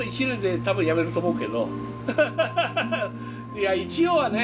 いや一応はね